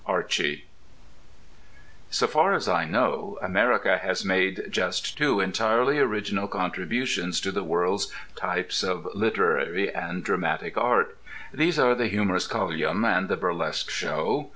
archy So far as I know, America has made just two entirely original contributions to the world's types of literary and dramatic art. These are the humorous colyum and the burlesque show.